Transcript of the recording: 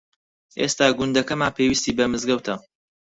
ئێستا گوندەکەمان پێویستی بە مزگەوتە.